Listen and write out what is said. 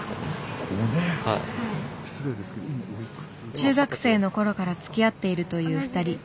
中学生の頃からつきあっているという２人。